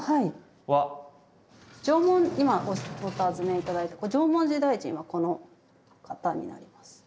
今お尋ね頂いた縄文時代人はこの方になります。